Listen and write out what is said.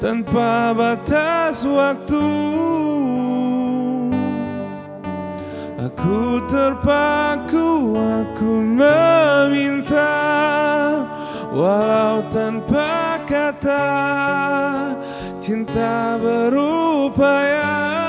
tanpa batas waktu aku terpaku aku meminta wow tanpa kata cinta berupaya